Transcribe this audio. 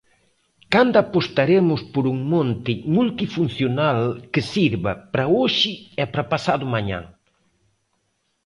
¿Cando apostaremos por un monte multifuncional que sirva para hoxe e para pasadomañá?